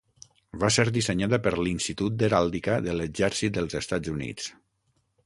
Va ser dissenyada per l'Institut d'Heràldica de l'Exèrcit dels Estats Units.